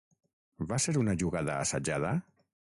Va ser una jugada assajada?